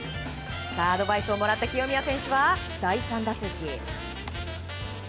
アドバイスをもらった清宮選手は第３打席。